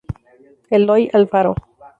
Eloy Alfaro.